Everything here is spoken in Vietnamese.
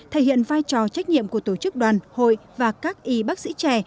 thể hiện vai trò trách nhiệm của tổ chức đoàn hội và các y bác sĩ trẻ